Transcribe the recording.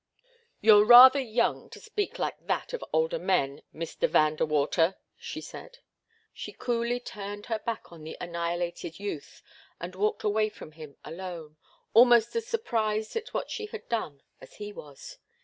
"You're rather young to speak like that of older men, Mr. Van De Water," she said. She coolly turned her back on the annihilated youth and walked away from him alone, almost as surprised at what she had done as he was.